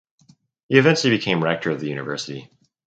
He eventually became rector of the university.